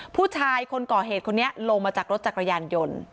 ผู้ชายคนก่อเหตุคนนี้ลงมาจากรถจักรยานยนต์